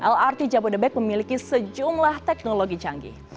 lrt jabodebek memiliki sejumlah teknologi canggih